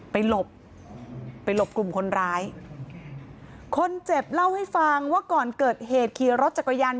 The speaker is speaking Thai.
หลบไปหลบกลุ่มคนร้ายคนเจ็บเล่าให้ฟังว่าก่อนเกิดเหตุขี่รถจักรยาน